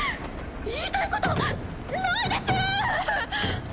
言いたいことないです！